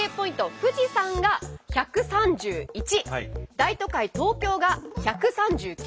富士山が１３１大都会東京が１３９